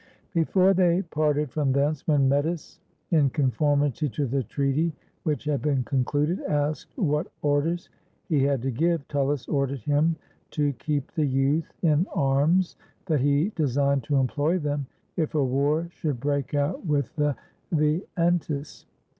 Before they parted from thence, when Mettus, in con formity to the treaty which had been concluded, asked what orders he had to give, Tullus ordered him to keep the youth in arms, that he designed to employ them if a war should break out with the Veientes.